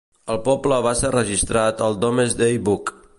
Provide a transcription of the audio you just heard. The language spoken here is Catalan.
El poble va ser registrat al Domesday Book.